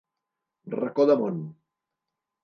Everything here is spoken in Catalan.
Racó de món.